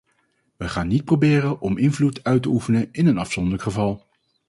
We gaan niet proberen om invloed uit te oefenen in een afzonderlijk geval.